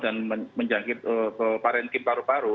dan menjangkit ke parentim paru paru